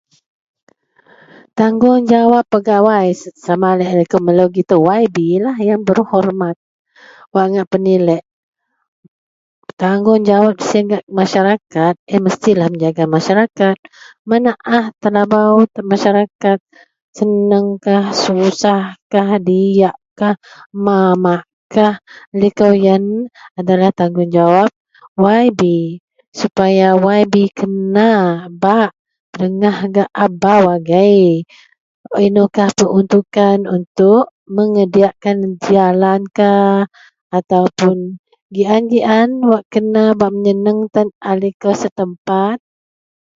Tanggungjawab pegawai sama laei likou melo gitou YB lah yang terhormat wak penilik, tanggungjawab sien mestilah menjaga masyarakat menaah telabau masyarakat seneng kah susah kah diak kah mamak kah yian adalah tanggungjawab YB supaya YB kena bak pedengah gak a bau agei inoukah peruntukan untuk menyediakan jalan atau pun gi an gi an wak bak menyeneng kan likou setempat